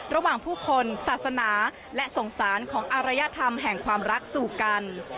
ระหว่างผู้คนศาสนาและสงสารของอารยธรรมแห่งความรักสู่กัน